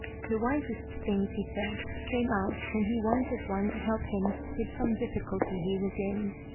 The wisest things he said came out when he wanted one to help him with some difficulty he was in.